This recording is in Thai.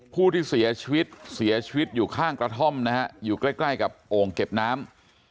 ผู้ที่เสียชีวิตเสียชีวิตอยู่ข้างกระท่อมนะฮะอยู่ใกล้ใกล้กับโอ่งเก็บน้ำ